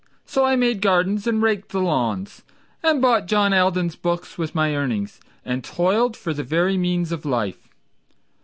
So I made gardens and raked the lawns And bought John Alden's books with my earnings And toiled for the very means of life.